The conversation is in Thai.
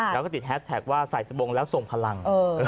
แล้วก็ติดแฮสแท็กว่าใส่สบงแล้วส่งพลัง